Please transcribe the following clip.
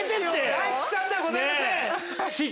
大吉さんではございません。